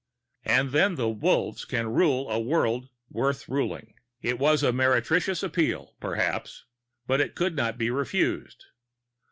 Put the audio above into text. And then the Wolves can rule a world worth ruling. It was a meretricious appeal, perhaps, but it could not be refused.